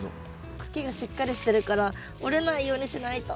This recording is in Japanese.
茎がしっかりしてるから折れないようにしないと。